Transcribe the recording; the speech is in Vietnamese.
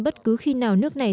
bất cứ khi nào nước này